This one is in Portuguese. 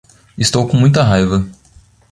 Estou com muita raiva